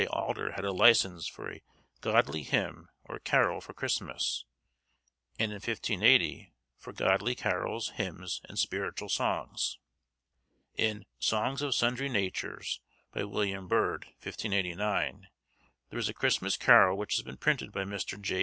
Alder had a license for 'a Godly Hymn or Carol for Christmas,' and in 1580, for 'Godly Carols, Hymns, and Spiritual Songs.' In 'Songs of Sundry natures,' by William Byrd, 1589, there is a Christmas carol which has been printed by Mr. J.